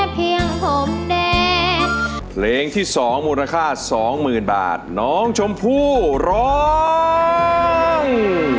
เพลงที่สองมูลค่าสองหมื่นบาทน้องชมพู่ร้อง